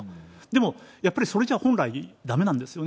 でもやっぱりそれじゃ本来、だめなんですよね。